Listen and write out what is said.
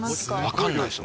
分かんないっす。